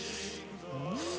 うん！